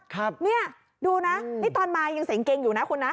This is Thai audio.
ครับเนี่ยดูนะนี่ตอนมายังเสียงเก่งอยู่นะคุณนะ